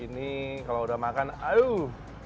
ini kalau udah makan aduh